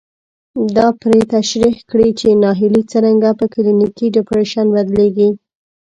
دا پرې تشرېح کړي چې ناهيلي څرنګه په کلينيکي ډېپريشن بدلېږي.